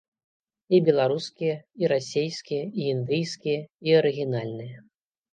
І беларускія, і расійскія, і індыйскія, і арыгінальныя.